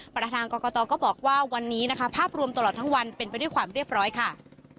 ประธานกรกตก็บอกว่าวันนี้นะคะภาพรวมตลอดทั้งวันเป็นไปด้วยความเรียบร้อยค่ะ